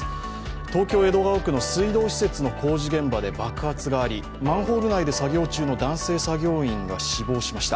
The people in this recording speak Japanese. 東京・江戸川区の水道施設の工事現場で爆発がありマンホール内で作業中の男性作業員が死亡しました。